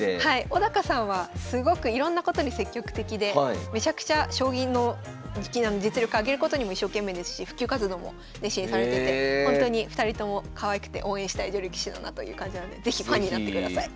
小さんはすごくいろんなことに積極的でめちゃくちゃ将棋の実力上げることにも一生懸命ですし普及活動も熱心にされててほんとに２人ともかわいくて応援したい女流棋士だなという感じなので是非ファンになってください。